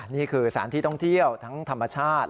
นี่คือสถานที่ท่องเที่ยวทั้งธรรมชาติ